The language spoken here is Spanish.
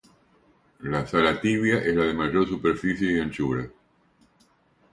La sala tibia es la de mayor superficie y anchura.